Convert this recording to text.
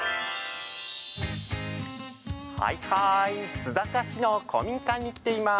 須坂市の公民館に来ています。